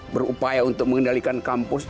berupaya untuk mengendalikan kampus